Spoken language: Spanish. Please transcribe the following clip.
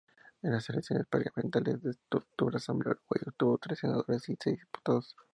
En las elecciones parlamentarias de octubre, Asamblea Uruguay obtuvo tres senadores y seis diputados.